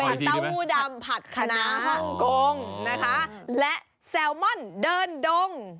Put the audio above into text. เป็นเต้าหู้ดำผัดคณะฮ่องกงนะคะและแซลมอนเดินดง